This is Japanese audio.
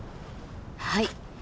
はい。